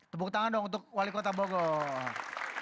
tepuk tangan dong untuk wali kota bogor